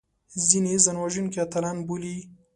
ځینې ځانوژونکي اتلان بولي